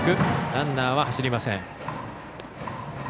ランナー、走りません。